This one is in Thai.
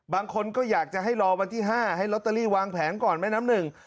บางคนก็อยากจะให้รอวันที่๕ให้ลอตเตอรี่วางแผนก่อนแม่น้ำหนึ่ง